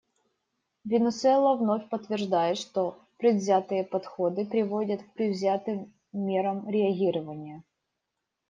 Венесуэла вновь подтверждает, что предвзятые подходы приводят к предвзятым мерам реагирования.